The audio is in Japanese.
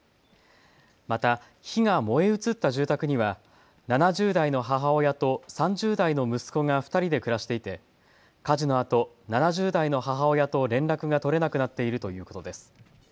また火が燃え移った住宅には７０代の母親と３０代の息子が２人で暮らしていて火事のあと７０代の母親と連絡が取れなくなっているということです。